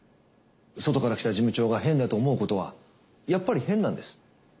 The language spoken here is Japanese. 外から来た事務長が変だと思うことはやっぱり変なんです。